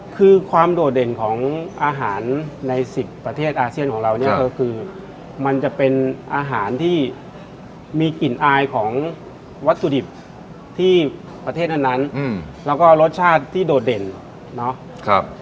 คือความโดดเด่นของอาหารใน๑๐ประเทศอาเซียนของเราเนี่ยก็คือมันจะเป็นอาหารที่มีกลิ่นอายของวัตถุดิบที่ประเทศนั้นแล้วก็รสชาติที่โดดเด่นเนาะ